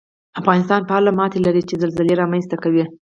افغانستان فعاله ماتې لري چې زلزلې رامنځته کوي